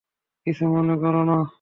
কিছু মনে করো না!